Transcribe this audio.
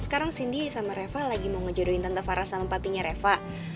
sekarang sindi sama reva lagi mau ngejodohin tante farah sama papinya reva